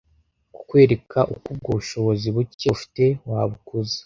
kukwereka uko ubwo bushobozi buke ufite wabukuza.